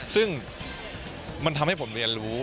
ซึ่งมันทำให้ผมเรียนรู้